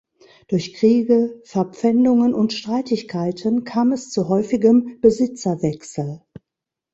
Durch Kriege, Verpfändungen und Streitigkeiten kam es zu häufigem Besitzerwechsel.